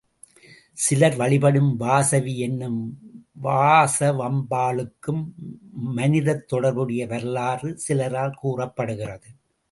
சிலர் வழிபடும் வாசவி என்னும் வாசவாம்பாளுக்கும் மனிதத் தொடர்புடைய வரலாறு சிலரால் கூறப்படுகிறது.